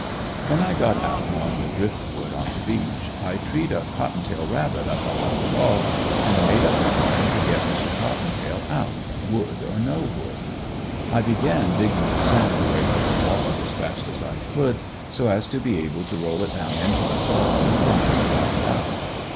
When I got out among the drift wood on the beach, I treed a cotton tail rabbit up a hollow log, and I made up my mind to get Mr. cotton tail out, wood or no wood. I began digging the sand away from the log as fast as I could so as to be able to roll it down into the Gulf and drown the rabbit out.